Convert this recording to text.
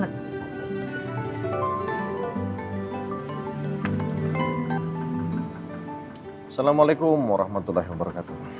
assalamualaikum warahmatullahi wabarakatuh